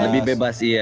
lebih bebas iya